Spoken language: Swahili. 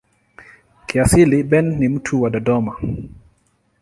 Kiasili Ben ni mtu wa Dodoma.